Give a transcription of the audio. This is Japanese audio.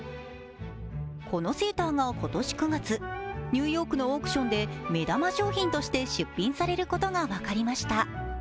このセーターが今年９月、ニューヨークのオークションで目玉商品として出品されることが分かりました。